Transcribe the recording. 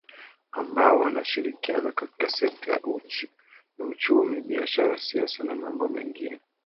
ambao wanashirikiana katika sekta ya uchumi biashara siasa na mambo mengine